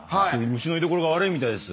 虫の居所が悪いみたいです。